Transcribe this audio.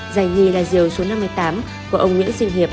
giải nhì là diều số năm mươi tám của ông nguyễn sinh hiệp